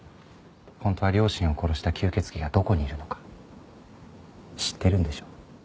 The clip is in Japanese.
本当は両親を殺した吸血鬼がどこにいるのか知ってるんでしょ？